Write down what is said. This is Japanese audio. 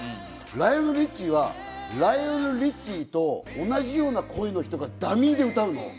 ライオネル・リッチーはライオネル・リッチーと同じような声の人がダミーで歌うの。